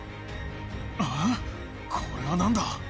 あぁこれは何だ？